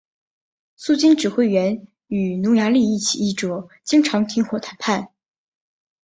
苏军指挥员与匈牙利起义者经常停火谈判。